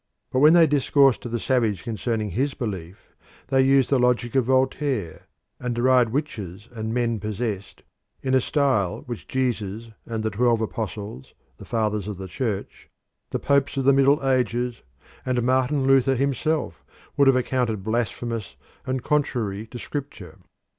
But when they discourse to the savage concerning his belief they use the logic of Voltaire, and deride witches and men possessed in a style which Jesus and the twelve apostles, the fathers of the Church, the popes of the Middle Ages, and Martin Luther himself would have accounted blasphemous and contrary to Scripture.